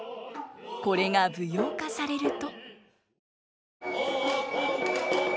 これが舞踊化されると。